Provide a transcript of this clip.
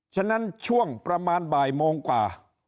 ฉะนั้นช่วงประมาณบ่ายโมงกว่า